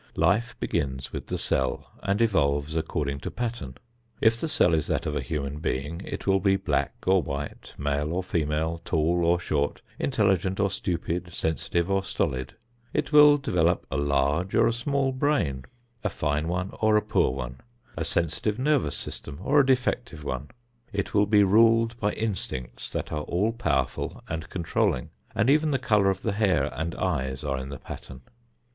Life begins with the cell and evolves according to pattern. If the cell is that of a human being, it will be black or white, male or female, tall or short, intelligent or stupid, sensitive or stolid; it will develop a large or a small brain, a fine one or a poor one, a sensitive nervous system or a defective one; it will be ruled by instincts that are all powerful and controlling, and even the color of the hair and eyes are in the pattern.